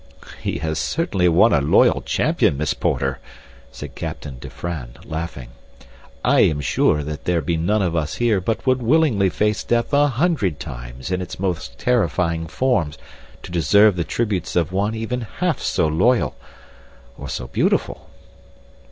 "He has certainly won a loyal champion, Miss Porter," said Captain Dufranne, laughing. "I am sure that there be none of us here but would willingly face death a hundred times in its most terrifying forms to deserve the tributes of one even half so loyal—or so beautiful."